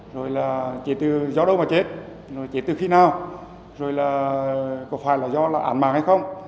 rồi chết từ do đâu mà chết rồi chết từ khi nào rồi có phải do án mạng hay không